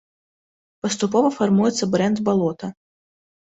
Паступова фармуецца брэнд балота.